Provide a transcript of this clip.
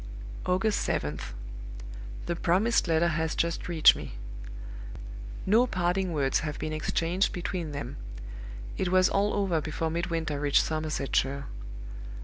"August 7th. The promised letter has just reached me. No parting words have been exchanged between them: it was all over before Midwinter reached Somersetshire.